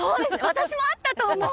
私も合ったと思う。